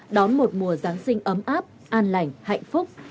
đón một mùa giáng sinh ấm áp an lành hạnh phúc